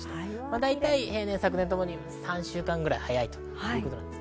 平年昨年ともに３週間ぐらい早いということです。